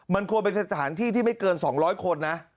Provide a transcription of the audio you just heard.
มันควรเป็นสถานที่ที่ไม่เกิน๒๐๐คนนะ